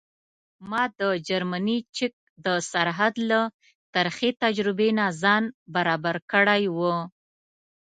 ما د جرمني چک د سرحد له ترخې تجربې نه ځان برابر کړی و.